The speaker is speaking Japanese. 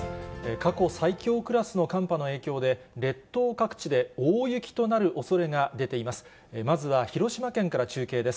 過去最強クラスの寒波の影響で、列島各地で大雪となるおそれが出ています。